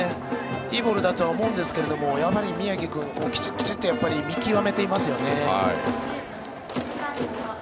いいボールだとは思うんですが、やはり宮城君はきちっと見極めていますよね。